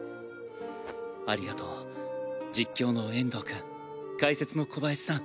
ありがとう実況の遠藤くん解説の小林さん。